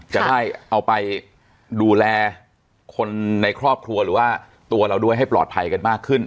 จะได้เอาไปดูแลคนในครอบครัวหรือว่าตัวเราด้วยให้ปลอดภัยกันมากขึ้น